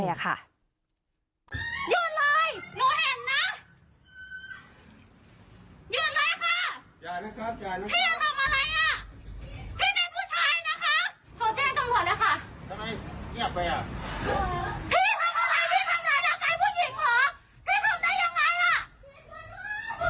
พี่ธรรมอะไรพี่ธรรมนายรักกายผู้หญิงเหรอ